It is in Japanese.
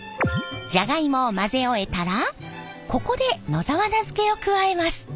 じゃがいもを混ぜ終えたらここで野沢菜漬けを加えます。